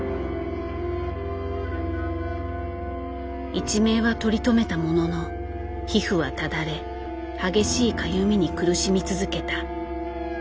一命は取り留めたものの皮膚はただれ激しいかゆみに苦しみ続けた。